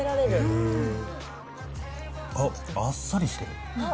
あっ、あっさりしてる。